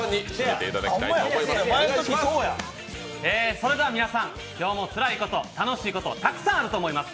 それでは皆さん、今日もつらいこと楽しいことたくさんあると思います。